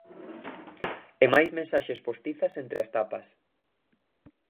E máis mensaxes postizas entre as tapas.